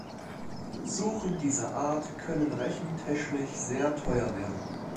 Suchen dieser Art können rechentechnisch sehr teuer werden.